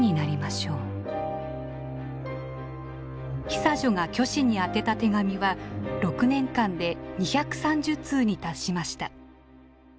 久女が虚子に宛てた手紙は６年間で２３０通に達しました。